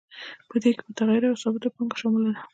په دې کې متغیره او ثابته پانګه شامله ده